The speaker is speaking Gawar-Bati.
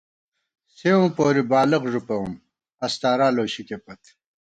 سېوں پوری بالَخ ݫُپَوُم ، اَستارا لوشِکے پت